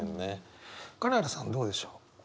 金原さんどうでしょう？